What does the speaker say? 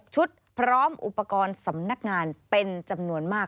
ชุดพร้อมอุปกรณ์สำนักงานเป็นจำนวนมาก